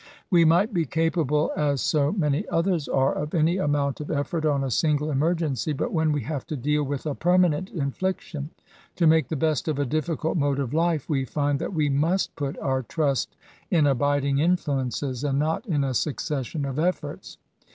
We might be capable, as so many others are, of any amount of effort on a single emergency ; but when we have to deal with a permanent infliction — to make the best of a difficult mode of life — we find that we must put our trust in abiding influences, and not in a succession of efforts.